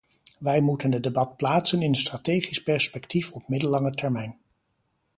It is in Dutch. Wij moeten het debat plaatsen in een strategisch perspectief op middellange termijn.